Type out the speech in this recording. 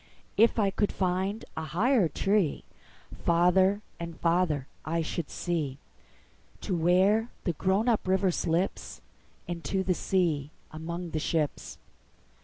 If I could find a higher treeFarther and farther I should see, To where the grown up river slipsInto the sea among the ships.